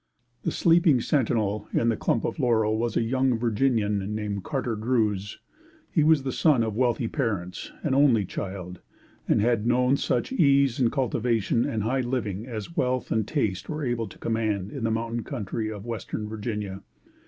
The sleeping sentinel in the clump of laurel was a young Virginian named Carter Druse. He was the son of wealthy parents, an only child, and had known such ease and cultivation and high living as wealth and taste were able to command in the mountain country of Western Virginia.